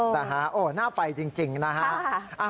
แต่ฮะโอ้น่าไปจริงนะฮะ